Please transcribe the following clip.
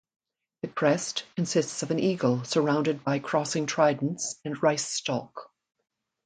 The crest consists of an eagle surrounded by crossing tridents and rice stalk.